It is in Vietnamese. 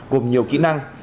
cùng nhiều kỹ năng